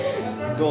どう？